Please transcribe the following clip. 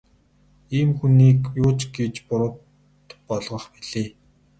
Ийм хүнийг юу ч гэж буруут болгох билээ.